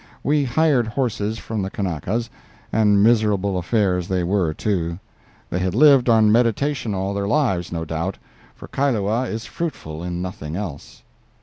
We hired horses from the Kanakas, and miserable affairs they were, too. They had lived on meditation all their lives, no doubt, for Kailua is fruitful in nothing else.